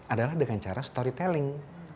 adalah dengan cara storytelling